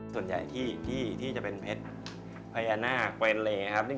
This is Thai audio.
ส่วนใหญ่ที่จะเป็นเพชรพญานาคเป็นอะไรอย่างนี้ครับ